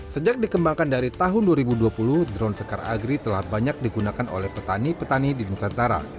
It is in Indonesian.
sejak dikembangkan dari tahun dua ribu dua puluh drone sekar agri telah banyak digunakan oleh petani petani di nusantara